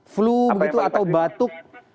flu atau batuk